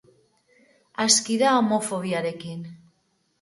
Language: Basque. Aski da homofobiarekin.